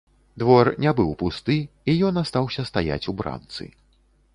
Двор не быў пусты, і ён астаўся стаяць у брамцы.